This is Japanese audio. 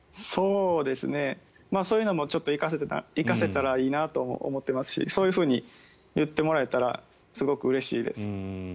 そういうのもちょっと生かせたらいいなとも思ってますしそういうふうに言ってもらえたらすごくうれしいです。